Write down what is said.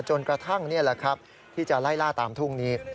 จนกระทั่งนี่แหละครับที่จะไล่ล่าตามทุ่งนี้